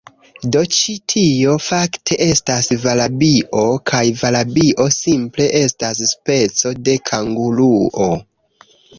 Do, ĉi tio, fakte, estas valabio kaj valabio simple estas speco de kanguruo.